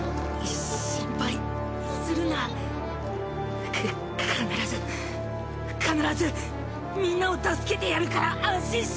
心配するな。か必ず必ずみんなを助けてやるから安心しろ。